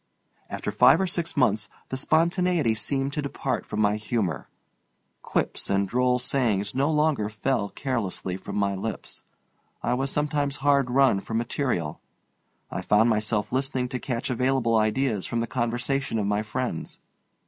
After five or six months the spontaniety seemed to depart from my humor. Quips and droll sayings no longer fell carelessly from my lips. I was sometimes hard run for material. I found myself listening to catch available ideas from the conversation of my friends.